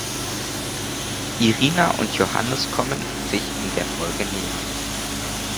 Irina und Johannes kommen sich in der Folge näher.